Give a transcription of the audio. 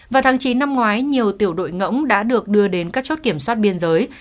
vào tháng chín năm ngoái nhiều tiểu đội ngỗng đã được đưa đến các chốt kiểm soát biên giới